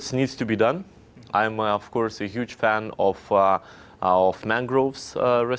saya tentu saja seorang penggemar program perjalanan mangrove